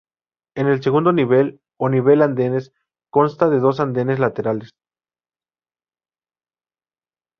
En el segundo nivel, o nivel andenes, consta de dos andenes laterales.